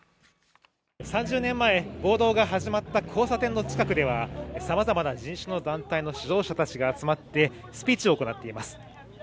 ３０年前、暴動が始まった交差点の近くでは、さまざまな人種の団体の指導者たちが集まってスピーチを行っています。